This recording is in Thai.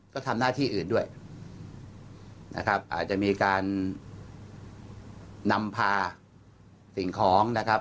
ก็ทำหน้าที่อื่นด้วยนะครับอาจจะมีการนำพาสิ่งของนะครับ